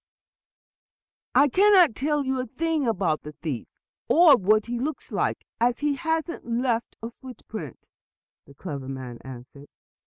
"I cannot tell you a thing about the thief, or what he looks like, as he hasn't even left a footprint," the clever man answered.